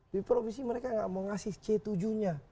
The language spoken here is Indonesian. di provinsi mereka tidak mengasih c tujuh nya